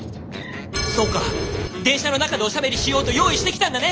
そうか電車の中でおしゃべりしようと用意してきたんだね！